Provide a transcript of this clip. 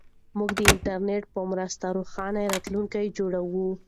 موږ د انټرنیټ په مرسته روښانه راتلونکی جوړوو.